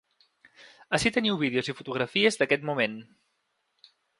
Ací teniu vídeos i fotografies d’aquest moment.